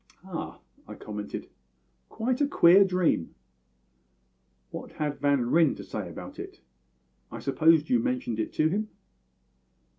"Ah!" I commented, "quite a queer dream. What had Van Ryn to say about it? I suppose you mentioned it to him?"